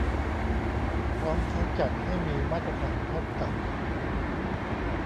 พร้อมทั้งจัดให้มีมาตรฐานขั้นต่ำ